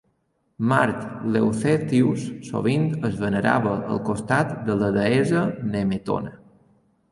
Mart Leucetius sovint es venerava al costat de la deessa Nemetona.